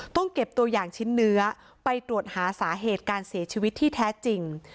เก็บตัวอย่างชิ้นเนื้อไปตรวจหาสาเหตุการเสียชีวิตที่แท้จริง